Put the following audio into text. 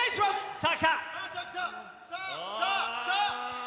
さあ、きた。